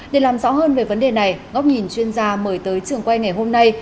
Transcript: để làm rõ hơn về vấn đề này góc nhìn chuyên gia mời tới trường quay ngày hôm nay